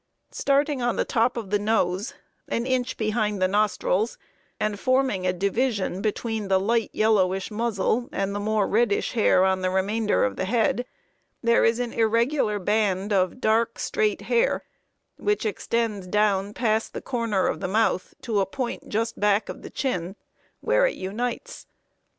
Starting on the top of the nose, an inch behind the nostrils, and forming a division between the light yellowish muzzle and the more reddish hair on the remainder of the head, there is an irregular band of dark, straight hair, which extends down past the corner of the mouth to a point just back of the chin, where it unites.